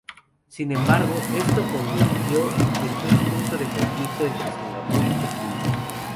Sin embargo, esto se convirtió en un punto de conflicto entre Singapur y Pekín.